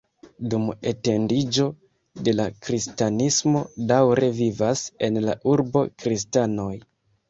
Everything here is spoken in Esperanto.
Dum etendiĝo de la kristanismo daŭre vivas en la urbo kristanoj.